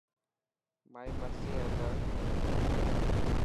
مائي مرضي هي ته.